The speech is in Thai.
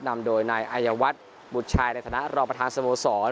นำโดยนายอายวัฒน์บุตรชายในฐานะรองประธานสโมสร